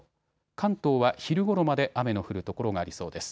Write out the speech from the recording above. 関東は昼ごろまで雨の降る所がありそうです。